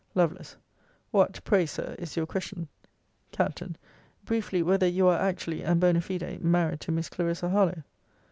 Lovel. What, pray, Sir, is your question? Capt. Briefly, whether you are actually, and bonâ fide, married to Miss Clarissa Harlowe?